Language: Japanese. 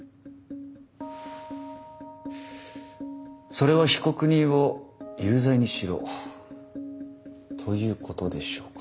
それは被告人を有罪にしろということでしょうか？